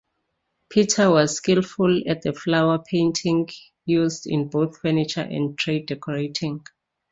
Pitter was skilful at the flower-painting used in both furniture and tray decorating.